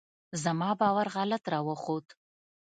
زما باور غلط راوخوت.